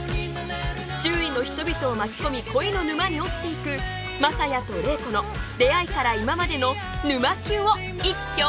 周囲の人々を巻き込み恋の沼に落ちていく雅也と怜子の出会いから今までの。